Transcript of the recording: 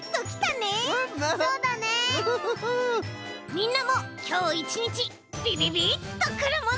みんなもきょういちにちびびびっとくるもの。